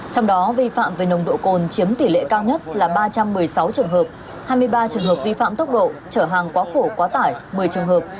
trong đó vi phạm về nồng độ cồn chiếm tỷ lệ cao nhất là ba trăm một mươi sáu trường hợp hai mươi ba trường hợp vi phạm tốc độ trở hàng quá khổ quá tải một mươi trường hợp